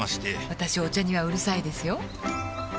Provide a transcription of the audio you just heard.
私お茶にはうるさいですよ